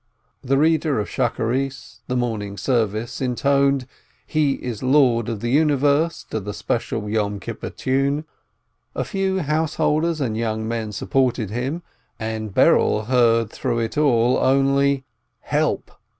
The reader of the Morning Service intoned "He is Lord of the Universe" to the special Yom Kippur tune, a few house holders and young men supported him, and Berel heard through it all only, Help!